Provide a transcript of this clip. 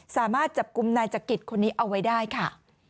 สามารถจับกลุ่มนายจักริตคนนี้เอาไว้ได้ค่ะ